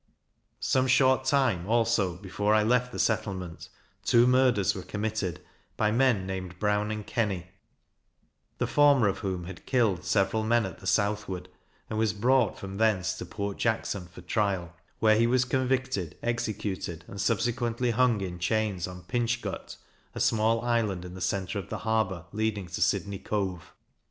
Some short time also before I left the settlement, two murders were committed, by men named Brown and Kenny; the former of whom had killed several men at the southward, and was brought from thence to Port Jackson for trial, where he was convicted, executed, and subsequently hung in chains on Pinch gut, a small island in the centre of the harbour leading to Sydney Cove.